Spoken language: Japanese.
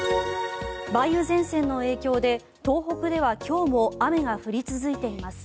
梅雨前線の影響で東北では今日も雨が降り続いています。